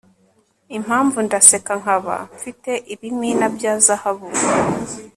Impamvu ndaseka nkaba mfite ibimina bya zahabu